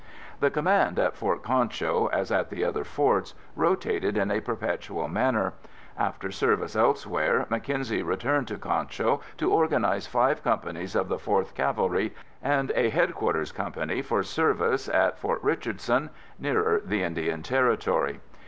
The command at Fort Concho, as at the other forts, rotated in a perpetual manner. After service elsewhere, Mackenzie returned to Concho to organize five companies of the 4th Cavalry and a headquarters company for service at Fort Richardson, nearer the Indian Territory.